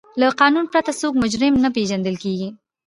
له قانون پرته څوک مجرم نه پیژندل کیږي.